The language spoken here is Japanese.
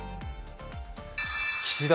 岸田